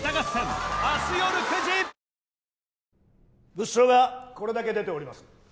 ・物証がこれだけ出ております